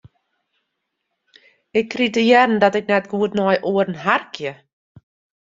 Ik krige te hearren dat ik net goed nei oaren harkje.